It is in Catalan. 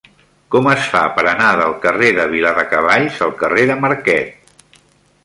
Com es fa per anar del carrer de Viladecavalls al carrer de Marquet?